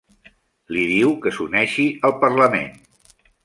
Li diu que s'uneixi al parlament.